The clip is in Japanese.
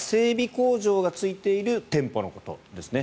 工場がついている店舗のことですね。